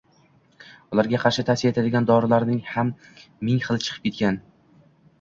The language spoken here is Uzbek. Ularga qarshi tavsiya etiladigan dorilarning ham ming xili chiqib ketgan.